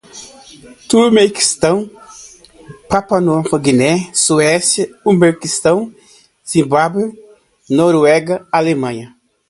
Turquemenistão, Papua-Nova Guiné, Suécia, Uzbequistão, Zimbabwe, Noruega, Alemanha